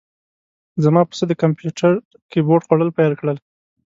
زما پسه د کمپیوتر کیبورډ خوړل پیل کړل.